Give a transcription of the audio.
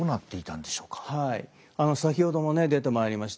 はいあの先ほどもね出てまいりました